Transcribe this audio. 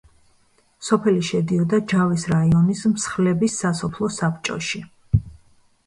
სოფელი შედიოდა ჯავის რაიონის მსხლების სასოფლო საბჭოში.